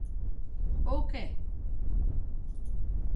¿Ou que?